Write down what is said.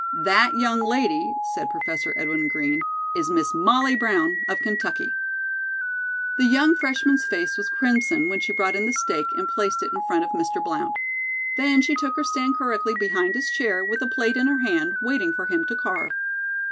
"That young lady," said Professor Edwin Green, "is Miss Molly Brown, of Kentucky." The young freshman's face was crimson when she brought in the steak and placed it in front of Mr. Blount. Then she took her stand correctly behind his chair, with a plate in her hand, waiting for him to carve.